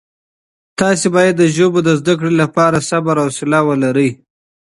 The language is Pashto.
تاسي باید د ژبو د زده کړې لپاره صبر او حوصله ولرئ.